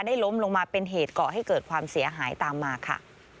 ล้มลงมาเป็นเหตุก่อให้เกิดความเสียหายตามมาค่ะ